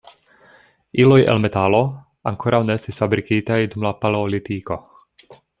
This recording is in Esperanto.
Iloj el metalo ankoraŭ ne estis fabrikitaj dum la paleolitiko.